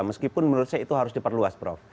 meskipun menurut saya itu harus diperluas prof